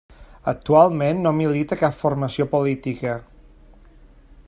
Actualment no milita a cap formació política.